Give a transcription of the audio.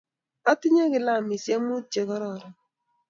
Atinye kilamisyek muut che kororon